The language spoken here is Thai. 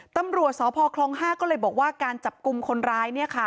ตำรวจสพคลอง๕ก็เลยบอกว่าการจับกลุ่มคนร้าย